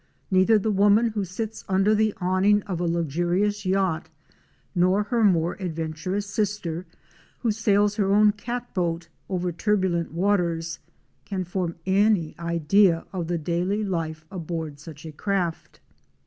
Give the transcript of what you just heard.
Neither the woman who sits under the awning of a luxurious yacht nor her more adventurous sister who sails her own catboat over turbulent waters can form any idea of the daily life aboard such a craft.